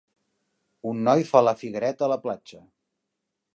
Un noi fa la figuereta a la platja.